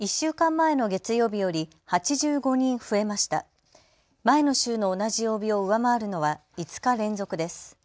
前の週の同じ曜日を上回るのは５日連続です。